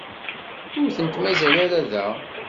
Ur tent-mazal ara da.